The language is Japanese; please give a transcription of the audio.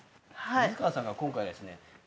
水川さんが今回ですね皆さんに。